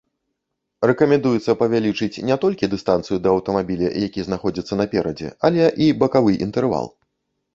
Рэкамендуецца павялічыць не толькі дыстанцыю да аўтамабіля, які знаходзіцца наперадзе, але і бакавы інтэрвал.